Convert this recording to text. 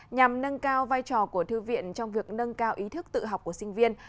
nhằm nâng cao vai trò của thư viện trong việc nâng cao ý thức tự học của sinh viên